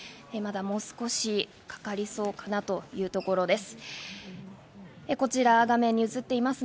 まだもう少し、かかりそうかなというところです。